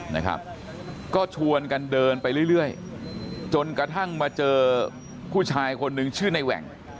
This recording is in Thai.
นะครับก็ชวนกันเดินไปเรื่อยจนกระทั่งมาเจอผู้ชายคนนึงชื่อในแหว่ง